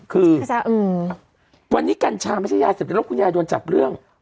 คือวันนี้กัญชาไม่ใช่ยาเสพติดแล้วคุณยายโดนจับเรื่อง